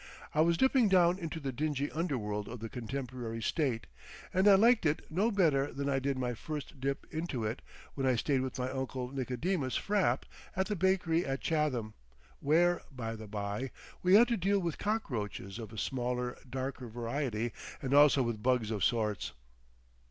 I was dipping down into the dingy underworld of the contemporary state, and I liked it no better than I did my first dip into it when I stayed with my Uncle Nicodemus Frapp at the bakery at Chatham—where, by the by, we had to deal with cockroaches of a smaller, darker variety, and also with bugs of sorts.